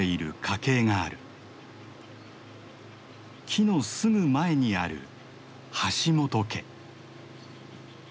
木のすぐ前にある橋本家。